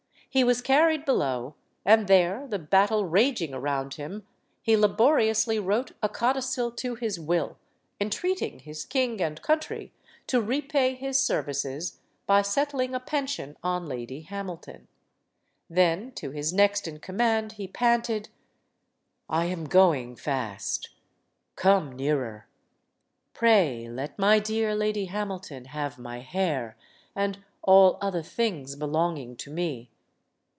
He was carried below, and there, the battle raging around him, he laboriously wrote a codicil to his will, entreating his king and coun 270 STORIES OF THE SUPER WOMEN try to repay his services by settling a pension on Lady Hamilton. Then to his next in command he panted: "I am going fast. Come nearer. Pray let my dear Lady Hamilton have my hair and all other things be longing to me.